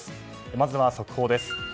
まずは速報です。